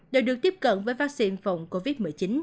đều được tiếp cận với vaccine phòng covid một mươi chín